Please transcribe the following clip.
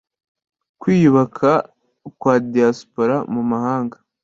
kwiyubaka kwa Diaspora mu mahanga